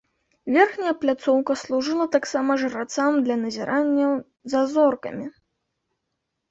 Верхняя пляцоўка служыла таксама жрацам для назіранняў за зоркамі.